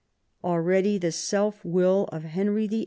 Already the selfwill of Henry VIII.